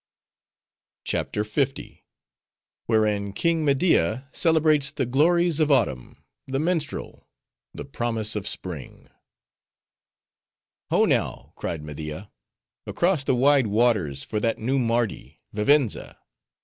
CHAPTER L. Wherein King Media Celebrates The Glories Of Autumn, The Minstrel, The Promise Of Spring "Ho, now!" cried Media, "across the wide waters, for that New Mardi, Vivenza!